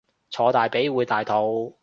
坐大髀會大肚